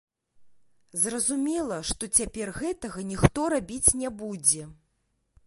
Зразумела, што цяпер гэтага ніхто рабіць не будзе.